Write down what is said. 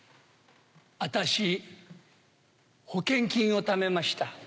私保険金をためました。